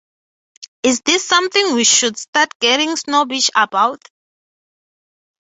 Is this something we should start getting snobbish about?